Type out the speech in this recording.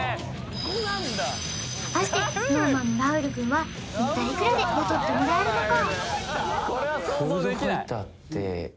果たしてＳｎｏｗＭａｎのラウール君は一体いくらで雇ってもらえるのか？